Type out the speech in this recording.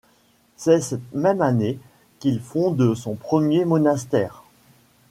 C'est cette même année qu'il fonde son premier monastère.